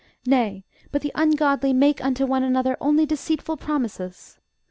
_ Nay; but the ungodly make unto one another only deceitful promises.